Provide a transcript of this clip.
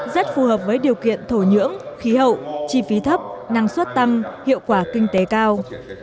rất phù hợp với điều kiện thổ nhưỡng khí hậu chi phí thấp năng suất tăng hiệu quả kinh tế cao